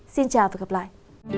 xin chào và hẹn gặp lại